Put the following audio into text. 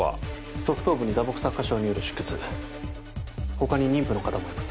側頭部に打撲擦過傷による出血ほかに妊婦の方もいます